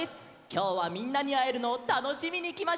きょうはみんなにあえるのをたのしみにきました！